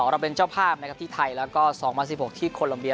๒๐๒๒เราเป็นเจ้าภาพที่ไทยแล้วก็๒๐๑๖ที่โคลมเบีย